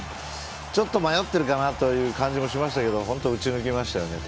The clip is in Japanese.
ちょっと迷ってるかなという感じはしましたけど打ち抜きましたね。